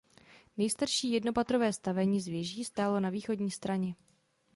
Nejstarší jednopatrové stavení s věží stálo na východní straně.